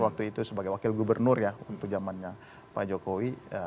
waktu itu sebagai wakil gubernur ya waktu zamannya pak jokowi